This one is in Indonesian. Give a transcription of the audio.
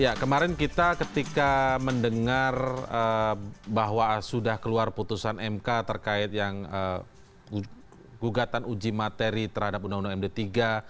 ya kemarin kita ketika mendengar bahwa sudah keluar putusan mk terkait yang gugatan uji materi terhadap undang undang md tiga